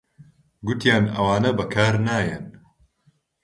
گوتیان ئەوانە بەکار نایەن